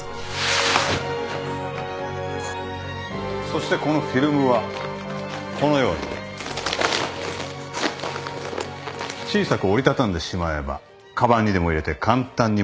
そしてこのフィルムはこのように小さく折り畳んでしまえばかばんにでも入れて簡単に持ち去ることができる。